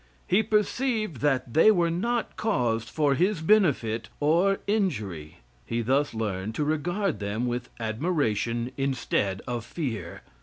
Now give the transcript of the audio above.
He perceived that they were not caused for his benefit or injury. He thus learned to regard them with admiration instead of fear.